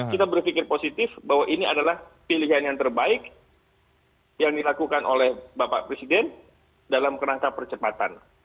kita berpikir positif bahwa ini adalah pilihan yang terbaik yang dilakukan oleh bapak presiden dalam kerangka percepatan